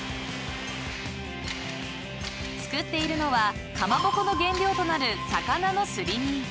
［作っているのはかまぼこの原料となる］